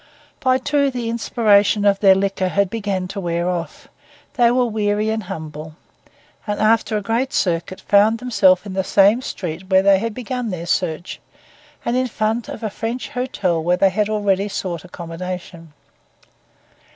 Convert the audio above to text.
By two the inspiration of their liquor had begun to wear off; they were weary and humble, and after a great circuit found themselves in the same street where they had begun their search, and in front of a French hotel where they had already sought accommodation.